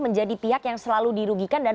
menjadi pihak yang selalu dirugikan dan